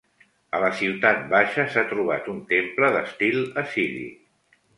A la ciutat baixa s'ha trobat un temple d'estil assiri.